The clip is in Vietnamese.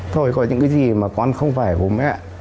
thôi có những cái gì mà con không phải bố mẹ